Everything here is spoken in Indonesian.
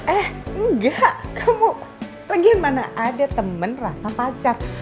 eh enggak kamu lagi mana ada temen rasa pacar